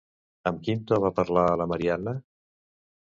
Amb quin to va parlar a la Marianna?